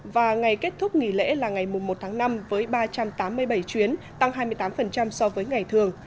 và ngày kết thúc nghỉ lễ là ngày một tháng năm với ba trăm tám mươi bảy chuyến tăng hai mươi tám so với ngày thường